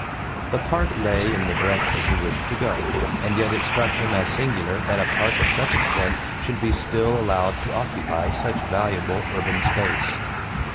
The park lay in the direction he wished to go, and yet it struck him as singular that a park of such extent should be still allowed to occupy such valuable urban space.